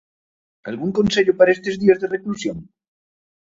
Algún consello para estes días de reclusión?